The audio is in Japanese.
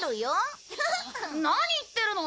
何言ってるの？